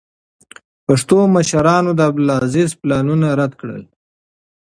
پښتنو مشرانو د عبدالعزیز پلانونه رد کړل.